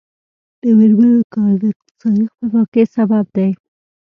د میرمنو کار د اقتصادي خپلواکۍ سبب دی.